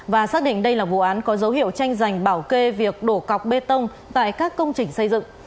và xác định đây là vụ án có dấu hiệu tranh giành bảo kê việc đổ cọc bê tông tại các công trình xây dựng